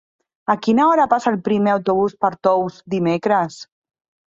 A quina hora passa el primer autobús per Tous dimecres?